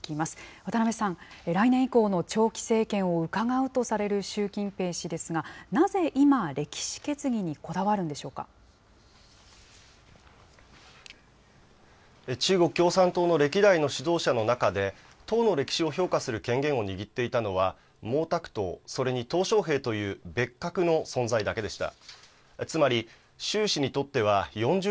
渡辺さん、来年以降の長期政権をうかがうとされる習近平氏ですが、なぜ今、中国共産党の歴代の指導者の中で、党の歴史を評価する権限を握っていたのは、毛沢東、それにとう小平という別格の存在だけでした。